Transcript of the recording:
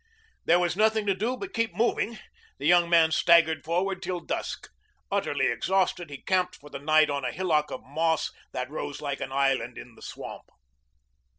There was nothing to do but keep moving. The young man staggered forward till dusk. Utterly exhausted, he camped for the night on a hillock of moss that rose like an island in the swamp.